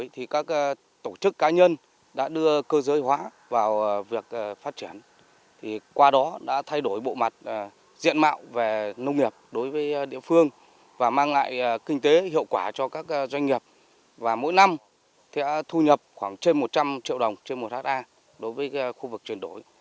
thu nhập khoảng trên một trăm linh triệu đồng trên một hectare đối với khu vực chuyển đổi